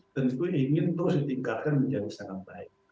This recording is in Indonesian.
tentu ingin terus ditingkatkan menjadi sangat baik